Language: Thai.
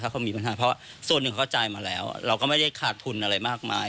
เขามีปัญหาเพราะว่าส่วนหนึ่งเขาจ่ายมาแล้วเราก็ไม่ได้ขาดทุนอะไรมากมาย